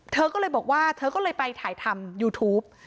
เธอก็เลยบอกว่าเธอก็เลยไปถ่ายทำยูทูป